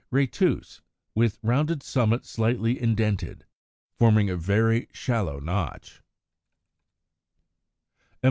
Retuse, with rounded summit slightly indented, forming a very shallow notch, as in Fig.